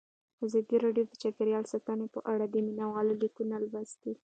ازادي راډیو د چاپیریال ساتنه په اړه د مینه والو لیکونه لوستي.